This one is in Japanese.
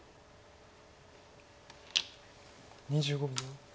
２５秒。